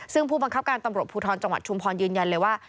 ซึ่งผู้บังคับการตำรวจภูทรจังหวัดชุมพรยืนยันเลยว่า